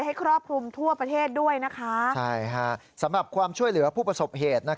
ครอบคลุมทั่วประเทศด้วยนะคะสำหรับความช่วยเหลือผู้ประสบเหตุ